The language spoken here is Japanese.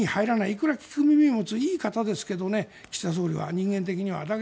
いくら聞く耳を持ついい方ですが、岸田総理は人間的には。